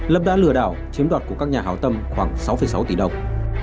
lâm đã lừa đảo chiếm đoạt của các nhà hào tâm khoảng sáu sáu tỷ đồng